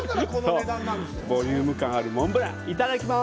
ボリューム感あるモンブラン、いただきます！